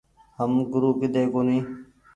هم گورو ڪيۮي ڪونيٚ ۔